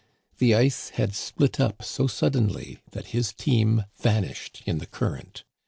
The ice had split up so suddenly that his team vanished in the current.